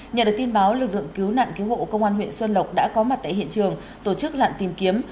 nhận được tin báo lực lượng cứu nạn cứu hộ công an huyện xuân lộc đã có mặt tại hiện trường tổ chức lặn tìm kiếm